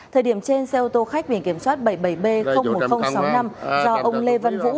thời điểm trên xe ô tô khách biển kiểm soát bảy mươi bảy b một nghìn sáu mươi năm do ông lê văn vũ